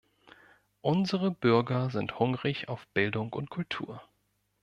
Unsere Bürger sind hungrig auf Bildung und Kultur.